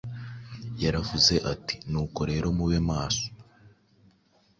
Yaravuze ati: “Nuko rero mube maso,